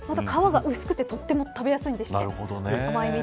皮が薄くてとっても食べやすいんですって。